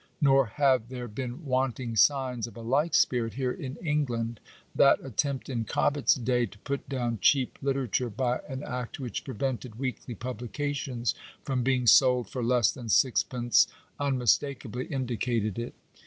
"* Nor have there been wanting signs of a like spirit here in England. That attempt in Cobbett's day to put down cheap literature, by an act which prevented weekly publications from being sold for less than sixpence, unmistakably indicated it.